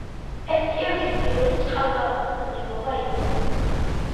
ეს კიევში პირველი წყალგაყვანილობა იყო.